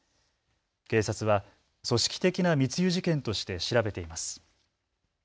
警察は組織的な密輸事件として調べています。